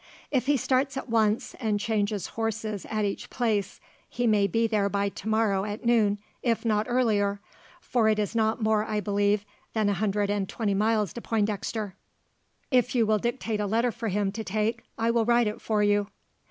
If he starts at once, and changes horses at each place, he may be there by tomorrow at noon, if not earlier; for it is not more, I believe, than a hundred and twenty miles to Pointdexter. If you will dictate a letter for him to take, I will write it for you."